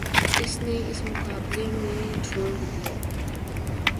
اس نے اس مقابلے میں جھونک دیا۔